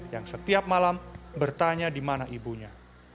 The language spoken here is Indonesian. yang setiap malam bertanya di mana ibunya